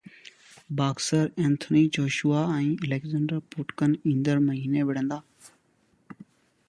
boxer Anthony Joshua ۽ Alexander Povetkin ايندڙ مهيني وڙهندا